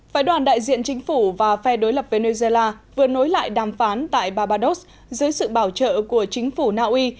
phái đoàn đại diện chính phủ và phe đối lập venezuela vừa nối lại đàm phán tại barbados dưới sự bảo trợ của chính phủ naui